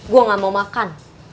gue gak mau makan